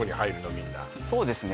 みんなそうですね